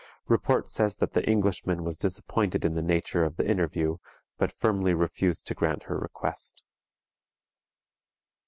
Report says that the Englishman was disappointed in the nature of the interview, but firmly refused to grant her request.